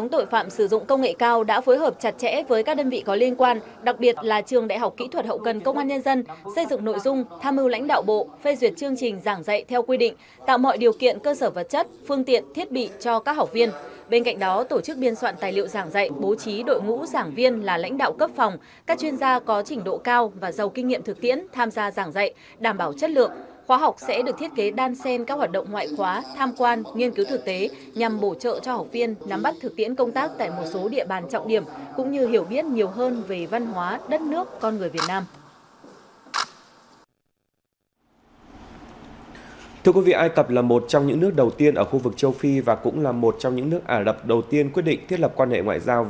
trường đại học kỹ thuật hậu cần công an nhân dân đã tổ chức lễ khai giảng lớp bồi dưỡng nghiệp vụ an ninh mạng và phòng chống tội phạm sử dụng công nghệ cao bộ công an việt nam phối hợp với trường đại học kỹ thuật hậu cần công an nhân dân đã tổ chức lễ khai giảng lớp bồi dưỡng nghiệp vụ an ninh mạng và phòng chống tội phạm sử dụng công nghệ cao